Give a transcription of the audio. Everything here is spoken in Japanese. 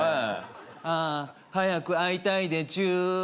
「ああ早く会いたいでちゅ」